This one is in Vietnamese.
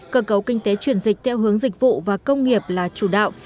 cơ cấu kinh tế chuyển dịch theo hướng dịch vụ và công nghiệp là chủ đạo